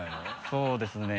そうですね